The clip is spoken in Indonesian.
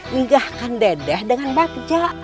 linggahkan dedeh dengan bakja